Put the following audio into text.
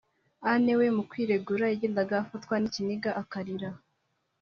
Anne we mu kwiregura yagendaga afatwa n’ikiniga akarira